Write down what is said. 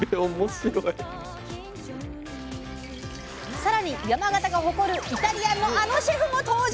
さらに山形が誇るイタリアンのあのシェフも登場！